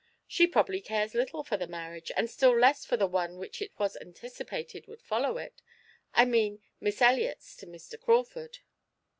She probably cares little for the marriage, and still less for the one which it was anticipated would follow it I mean Miss Elliot's to Mr. Crawford."